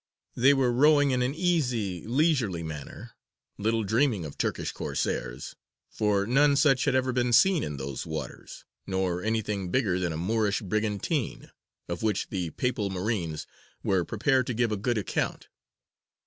They were rowing in an easy, leisurely manner, little dreaming of Turkish Corsairs, for none such had ever been seen in those waters, nor anything bigger than a Moorish brigantine, of which the Papal marines were prepared to give a good account.